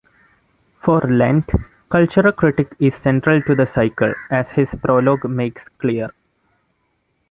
For Lent, cultural critique is central to the cycle, as his "Prologue" makes clear.